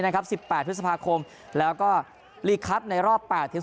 นะครับสิบแปดเธศภาคโคมแล้วก็ขับในรอบแปดเดี๋ยว